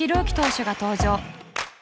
希投手が登場！